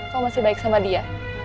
kau masih baik sama dia